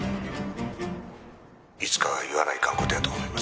いつかは言わないかんことやと思います